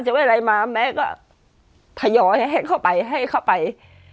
เจ้าไว้อะไรมาแม่ก็พยายามให้เข้าไปให้เข้าไป